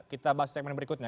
kita bahas segmen berikutnya